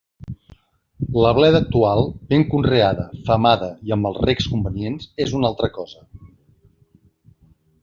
La bleda actual, ben conreada, femada i amb els recs convenients és una altra cosa.